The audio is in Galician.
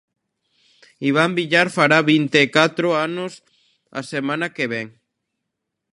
Iván Villar fará vinte e catro anos a semana que vén.